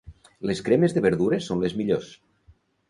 Les cremes de verdures són les millors.